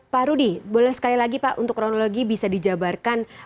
pak rudi boleh sekali lagi pak untuk kronologi bisa dijabarkan